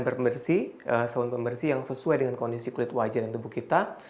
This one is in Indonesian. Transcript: bahan bersih yang sesuai dengan kondisi kulit wajah dan tubuh kita